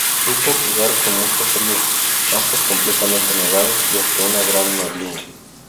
Supo jugar con mucho frío, campos completamente nevados y hasta una gran neblina.